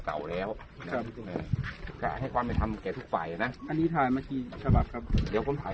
ถ่ายเป็นอิจฐานสีฝากเขาไว้ก็ได้ถ่ายอิจฐานสี